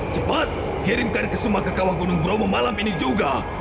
cepat kirimkan ke semua ke kawah gunung bromo malam ini juga